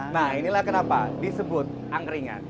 nah inilah kenapa disebut angkringan